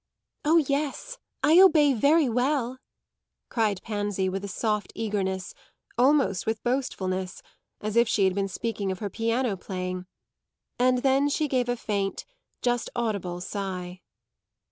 "Oh yes, I obey very well," cried Pansy with soft eagerness, almost with boastfulness, as if she had been speaking of her piano playing. And then she gave a faint, just audible sigh.